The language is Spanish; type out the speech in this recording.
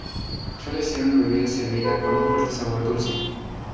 Suele ser una bebida servida con un fuerte sabor dulce.